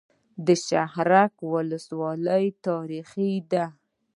د شهرک ولسوالۍ تاریخي ده